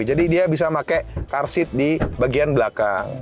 jadi dia bisa pakai car seat di bagian belakang